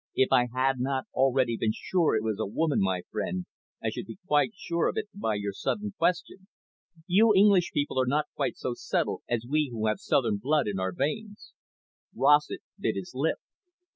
"If I had not already been sure it was a woman, my friend, I should be quite sure of it by your sudden question. You English people are not quite so subtle as we who have southern blood in our veins." Rossett bit his lip.